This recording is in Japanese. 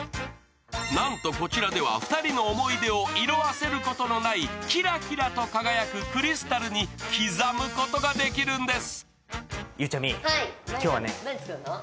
なんとこちらでは、２人の思い出を色あせることないキラキラと輝くクリスタルに刻むことができるんです。